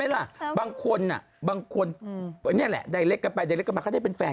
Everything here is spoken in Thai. แล้วเขาเป็นพัดเอ่ยเขาจะไปติดต่อกับกัน